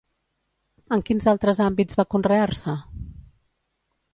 En quins altres àmbits va conrear-se?